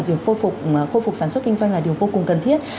việc khôi phục sản xuất kinh doanh là điều vô cùng cần thiết